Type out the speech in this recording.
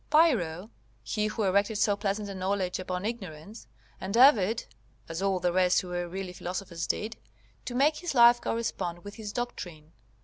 Pyrrho, he who erected so pleasant a knowledge upon ignorance, endeavoured, as all the rest who were really philosophers did, to make his life correspond with his doctrine.